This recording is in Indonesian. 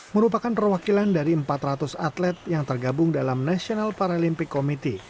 merupakan perwakilan dari empat ratus atlet yang tergabung dalam national paralympic committee